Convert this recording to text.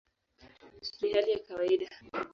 Ni hali ya kawaida".